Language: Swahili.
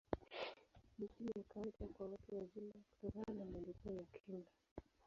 Ni chini ya kawaida kwa watu wazima, kutokana na maendeleo ya kinga.